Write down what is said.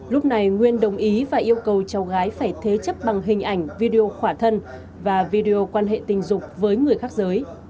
lúc này nguyên đồng ý và yêu cầu cháu gái phải thế chấp bằng hình ảnh video khỏa thân và video quan hệ tình dục với người khác giới